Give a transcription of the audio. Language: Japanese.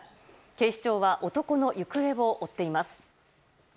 警視庁は男の行方を追っています。